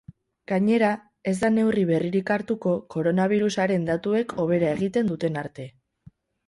Gainera, ez da neurri berririk hartuko koronabirusaren datuek hobera egiten duten arte.